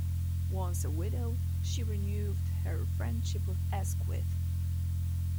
Once a widow, she renewed her friendship with Asquith.